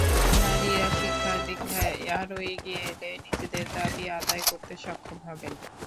নারীরা শিক্ষা-দীক্ষায় আরও এগিয়ে এলে নিজেদের দাবি আদায় করতে সক্ষম হবেন।